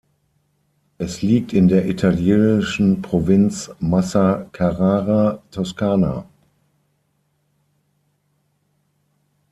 Es liegt in der italienischen Provinz Massa-Carrara, Toskana.